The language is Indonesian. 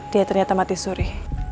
dia ternyata mati suri